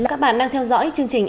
các bạn đang theo dõi chương trình